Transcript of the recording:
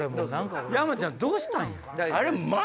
山ちゃんどうしたんや？